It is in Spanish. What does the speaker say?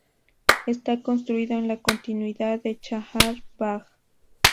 Está construido en la continuidad de Chahar Bagh.